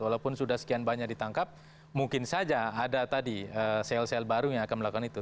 walaupun sudah sekian banyak ditangkap mungkin saja ada tadi sel sel baru yang akan melakukan itu